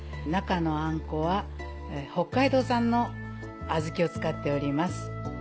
中のあんこは北海道産の小豆を使っております。